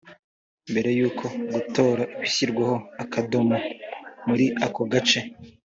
Mbere y’uko gutora bishyirwaho akadomo muri ako gace